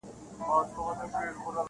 و سر لره مي دار او غرغرې لرې که نه,